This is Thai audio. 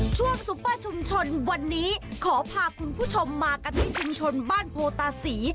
ซุปเปอร์ชุมชนวันนี้ขอพาคุณผู้ชมมากันที่ชุมชนบ้านโพตาศรี